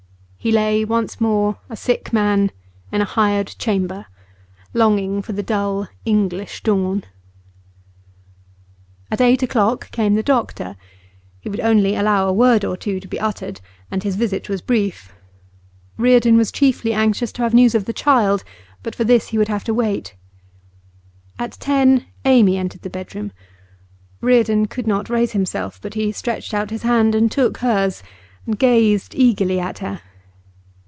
He lay once more a sick man in a hired chamber, longing for the dull English dawn. At eight o'clock came the doctor. He would allow only a word or two to be uttered, and his visit was brief. Reardon was chiefly anxious to have news of the child, but for this he would have to wait. At ten Amy entered the bedroom. Reardon could not raise himself, but he stretched out his hand and took hers, and gazed eagerly at her.